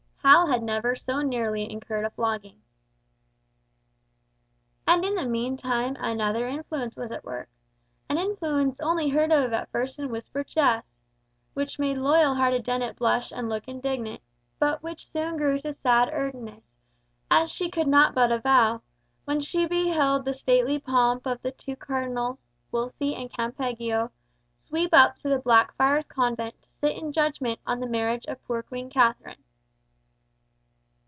Hal had never so nearly incurred a flogging! And in the meantime another influence was at work, an influence only heard of at first in whispered jests, which made loyal hearted Dennet blush and look indignant, but which soon grew to sad earnest, as she could not but avow, when she beheld the stately pomp of the two Cardinals, Wolsey and Campeggio, sweep up to the Blackfriars Convent to sit in judgment on the marriage of poor Queen Katharine.